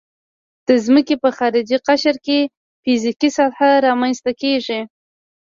د ځمکې په خارجي قشر کې فزیکي سطحه رامنځته کیږي